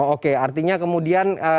oke artinya kemudian